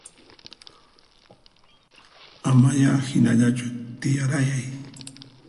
Amaya hinallachu tiyarayay